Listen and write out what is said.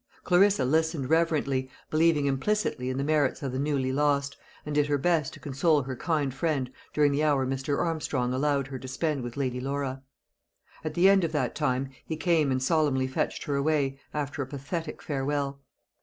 Clarissa listened reverently, believing implicitly in the merits of the newly lost, and did her best to console her kind friend during the hour Mr. Armstrong allowed her to spend with Lady Laura. At the end of that time he came and solemnly fetched her away, after a pathetic farewell.